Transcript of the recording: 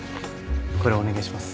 これお願いします。